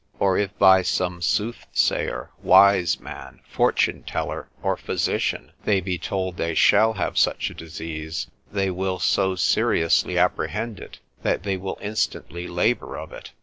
Or if by some soothsayer, wiseman, fortune teller, or physician, they be told they shall have such a disease, they will so seriously apprehend it, that they will instantly labour of it.